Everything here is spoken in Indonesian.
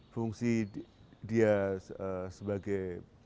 fungsi dia sebagai